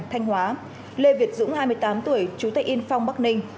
thành hóa lê việt dũng hai mươi tám tuổi chú thệ yên phong bắc ninh